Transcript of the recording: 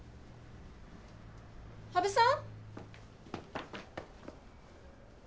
羽生さん